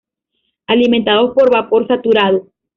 Alimentados por vapor saturado.